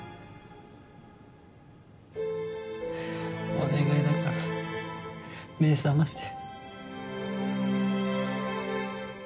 お願いだから目覚まして。